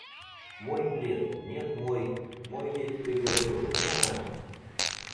«Мой плед!» — «Нет мой!» — «Мой я тебе говорю!» — «Неа!»